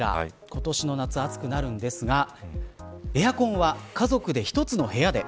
今年の夏暑くなるんですがエアコンは家族で一つの部屋で。